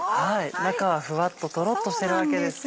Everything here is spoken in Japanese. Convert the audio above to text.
中はふわっとトロっとしてるわけですね。